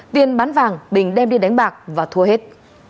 tiền bán vàng bình đem đi đánh bạc và thua hết